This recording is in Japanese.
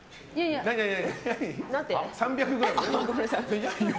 ３００ｇ。